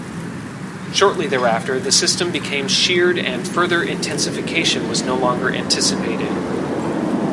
Shortly thereafter, the system became sheared and further intensification was no longer anticipated.